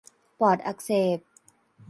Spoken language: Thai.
ปอดอักเสบ